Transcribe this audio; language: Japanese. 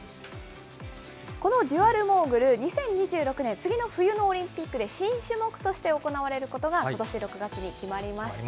このデュアルモーグル、２０２６年、次の冬のオリンピックで、新種目として行われることがことし６月に決まりました。